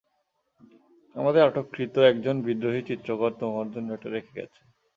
আমাদের আটককৃত একজন বিদ্রোহী চিত্রকর তোমার জন্য এটা রেখে গেছে।